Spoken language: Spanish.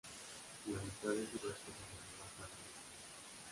La mitad de su cuerpo se renueva cada dos años.